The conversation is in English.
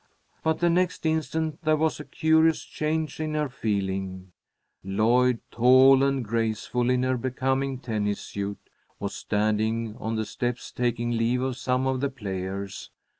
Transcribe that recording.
But the next instant there was a curious change in her feeling. Lloyd, tall and graceful in her becoming tennis suit, was standing on the steps taking leave of some of the players.